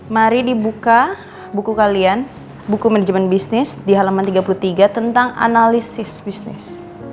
mari dibuka buku kalian buku manajemen bisnis di halaman tiga puluh tiga tentang analisis bisnis